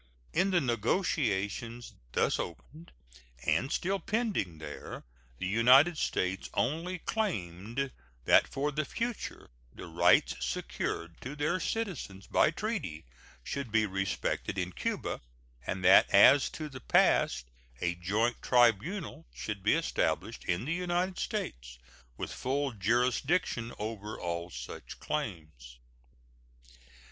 In the negotiations thus opened, and still pending there, the United States only claimed that for the future the rights secured to their citizens by treaty should be respected in Cuba, and that as to the past a joint tribunal should be established in the United States with full jurisdiction over all such claims.